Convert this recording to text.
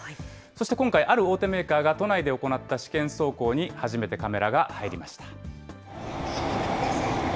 そして今回、ある大手メーカーが都内で行った試験走行に、初めてカメラが入りました。